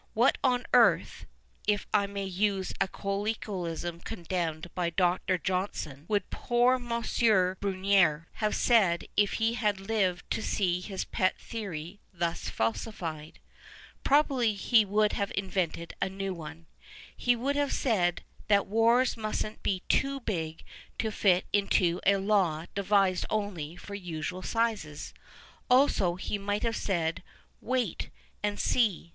What on earth (if I may use a colloquialism condemned by Dr. Johnson) would 146 A THEORY OF BRUNETIERE poor M. liruneti^re have said if he had hvcd to see his pet theory thus falsified ? Probably he would have invented a new one. He would have said that wars mustn't be too big to fit into a law devised only for usual sizes. Also he might have said, wait and see.